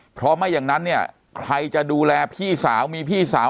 เพราะไม่อย่างนั้นเนี่ยใครจะดูแลพี่สาวมีพี่สาว